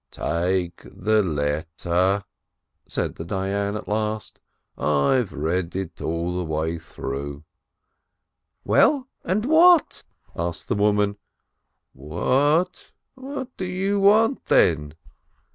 "Take the letter," said the Dayan, at last, "I've read it all through." "Well, and what?" asked the woman. "What? What do you want then?"